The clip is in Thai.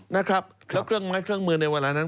นะครับแล้วเครื่องไม้เครื่องมือในเวลานั้น